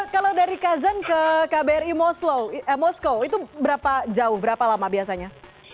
kalau dari kazan ke kbri moskow itu berapa jauh berapa lama biasanya